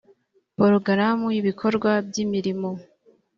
porogaramu y ibikorwa by imirimo